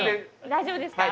大丈夫ですか？